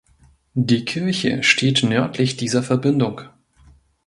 Die Kirche steht nördlich dieser Verbindung.